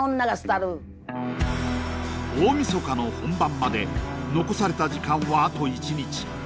大みそかの本番まで残された時間はあと１日。